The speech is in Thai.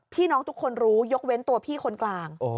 ทุกคนรู้ยกเว้นตัวพี่คนกลาง